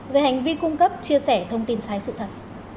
về hành vi cung cấp chia sẻ thông tin sai sự thật